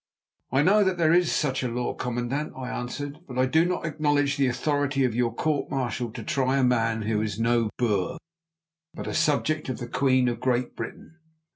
"I know that there is such a law, commandant," I answered, "but I do not acknowledge the authority of your court martial to try a man who is no Boer, but a subject of the Queen of Great Britain."